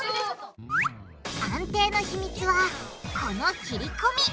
安定の秘密はこの切りこみ！